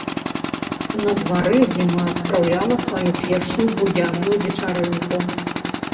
На дварэ зіма спраўляла сваю першую буяную вечарынку.